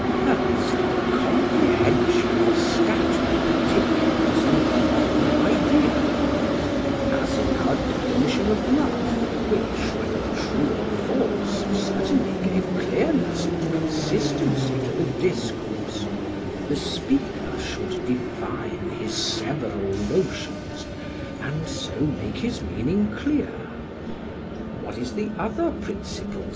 SOCRATES: First, the comprehension of scattered particulars in one idea; as in our definition of love, which whether true or false certainly gave clearness and consistency to the discourse, the speaker should define his several notions and so make his meaning clear. PHAEDRUS: What is the other principle, Socrates?